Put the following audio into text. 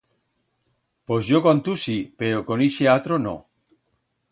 Pos yo con tu sí, pero con ixe atro no.